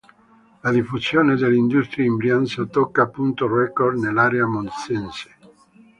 La diffusione delle industrie in Brianza tocca punte record nell'area monzese.